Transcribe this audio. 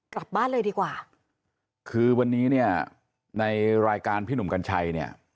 กลับบ้านเลยดีกว่าคือวันนี้เนี่ยในรายการพี่หนุ่มกัญชัยเนี่ย